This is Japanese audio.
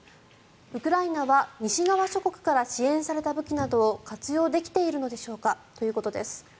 ウクライナは西側諸国から支援された武器などを活用できているのでしょうかということです。